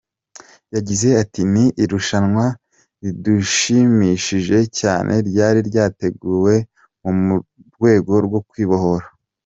Yagize ati “Ni irushanwa ridushimishije cyane, ryari ryateguwe mu rwego rwo kwibohora.